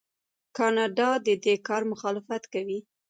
کاناډا د دې کار مخالفت کوي.